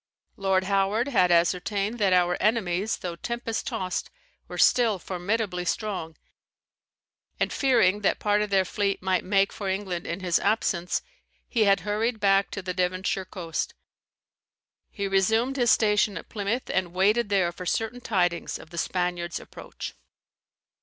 Lord Howard had ascertained that our enemies, though tempest tost, were still formidably strong; and fearing that part of their fleet might make for England in his absence, he had hurried back to the Devonshire coast. He resumed his station at Plymouth, and waited there for certain tidings of the Spaniard's approach.